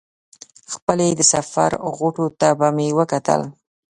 خپلې د سفر غوټو ته به مې وکتل.